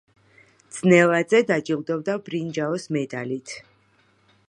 ძნელაძე დაჯილდოვდა ბრინჯაოს მედალით.